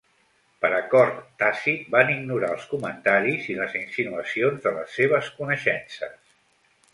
Per acord tàcit, van ignorar els comentaris i les insinuacions de les seves coneixences.